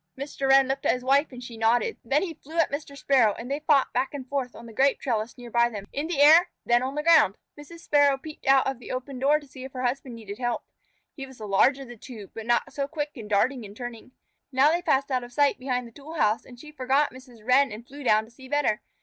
Mr. Wren looked at his wife and she nodded. Then he flew at Mr. Sparrow and they fought back and forth on the grape trellis near by them, in the air, then on the ground. Mrs. Sparrow peeped out of the open door to see if her husband needed help. He was the larger of the two, but not so quick in darting and turning. Now they passed out of sight behind the tool house and she forgot Mrs. Wren and flew down to see better.